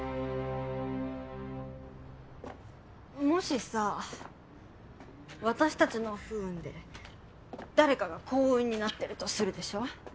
もしさ私たちの不運で誰かが幸運になってるとするでしょ。